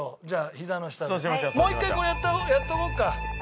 もう一回これやっとこうか。